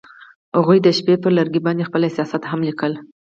هغوی د شپه پر لرګي باندې خپل احساسات هم لیکل.